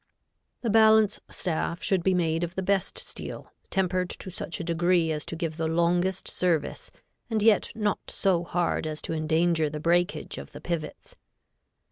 The balance staff should be made of the best steel, tempered to such a degree as to give the longest service and yet not so hard as to endanger the breakage of the pivots.